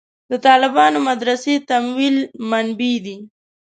د طالبانو مدرسې تمویل منبعې دي.